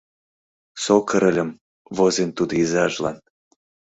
«Сокыр ыльым», — возен тудо изажлан.